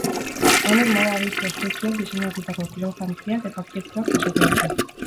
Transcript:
Honek moda aditu ospetsuek diseinatutako kirol jantziak eta objektuak jasoko ditu.